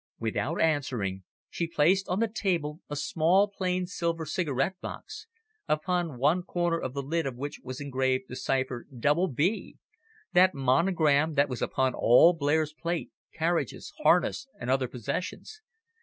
Without answering, she placed on the table a small plain silver cigarette box, upon one corner of the lid of which was engraved the cipher double B, that monogram that was upon all Blair's plate, carriages, harness and other possessions.